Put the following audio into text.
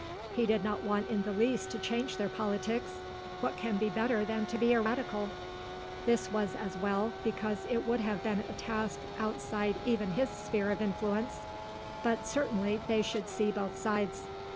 He did not want in the least to change their politics what can be better than to be a Radical? (this was as well, because it would have been a task outside even his sphere of influence) but certainly they should see both sides.